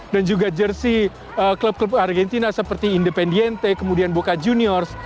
dan juga jersi klub klub argentina seperti independiente kemudian boca juniors